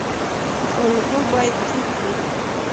الګو باید څوک وي؟